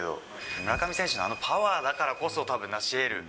村上選手のあのパワーだからこそ、たぶん成し得る。